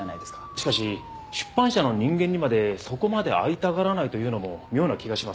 しかし出版社の人間にまでそこまで会いたがらないというのも妙な気がします。